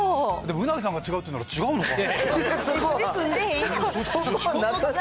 でも、鰻さんが違うって言うなら、違うのかな。